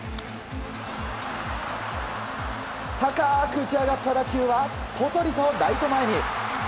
高く打ち上がった打球はぽとりとライト前へ。